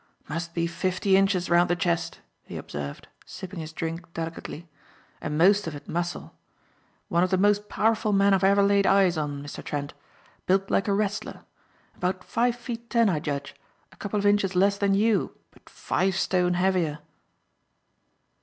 "Must be fifty inches round the chest," he observed, sipping his drink delicately, "and most of it muscle. One of the most powerful men I've ever laid eyes on, Mr. Trent. Built like a wrestler. About five feet ten I judge, a couple of inches less than you but five stone heavier."